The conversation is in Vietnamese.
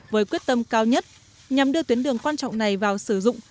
với quyết tâm cao nhất nhằm đưa tuyến đường quan trọng này vào sử dụng